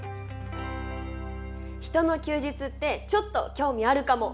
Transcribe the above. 人の休日ってちょっと興味あるかも。